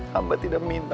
hamba tidak minta